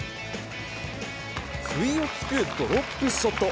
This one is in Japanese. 不意をつくドロップショット。